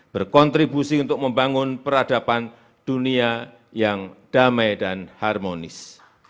berkontribusi untuk membangun peradaban dunia yang damai dan harmonis